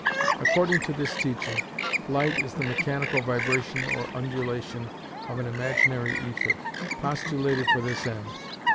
According to this teaching, light is the mechanical vibration or undulation of an imaginary ether, postulated for this end.